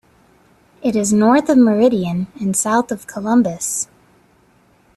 It is north of Meridian and south of Columbus.